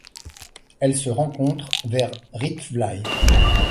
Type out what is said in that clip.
Elle se rencontre vers Rietvlei.